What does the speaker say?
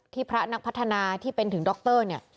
พระนักพัฒนาที่เป็นถึงดรเนี่ย